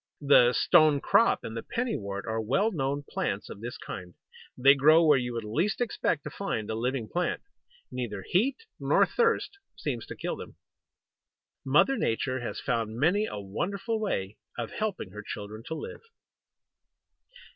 The Stone crop and the Penny wort are well known plants of this kind. They grow where you would least expect to find a living plant. Neither heat nor thirst seems to kill them. Mother Nature has found many a wonderful way of helping her children to live.